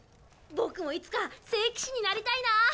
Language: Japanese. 僕もいつか聖騎士になりたいな。